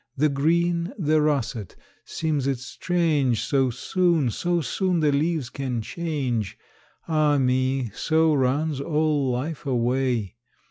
The green, the russet! seems it strange So soon, so soon, the leaves can change! Ah, me! so runs all life away.